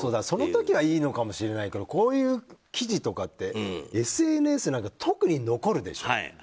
その時はいいのかもしれないけどこういう記事とかってＳＮＳなんか特に残るでしょ。